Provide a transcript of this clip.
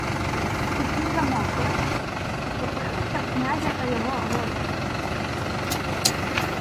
Усі замовкли й утупилися в князя та його гостя.